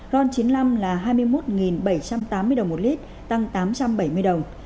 ron chín mươi năm là hai mươi một bảy trăm tám mươi đồng một lít tăng tám trăm bảy mươi đồng